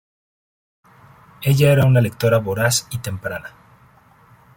Ella era una lectora voraz y temprana.